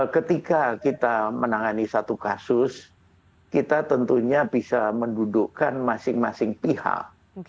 ketika kita menangani satu kasus kita tentunya bisa mendudukkan masing masing pihak